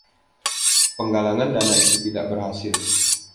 Penggalangan dana itu tidak berhasil.